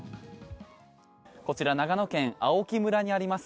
こちら長野県青木村にあります